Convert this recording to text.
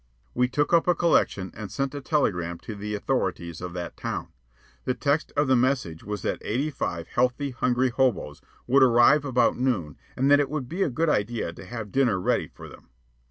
We took up a collection and sent a telegram to the authorities of that town. The text of the message was that eighty five healthy, hungry hoboes would arrive about noon and that it would be a good idea to have dinner ready for them.